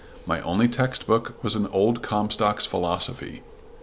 My only text book was an old Comstock's Philosophy.